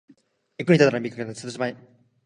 役に立たない美学なんか捨ててしまえ